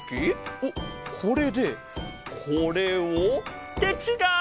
おっこれでこれを？ってちがう！